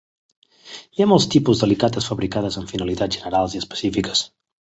Hi ha molts tipus d'alicates fabricades amb finalitats generals i específiques.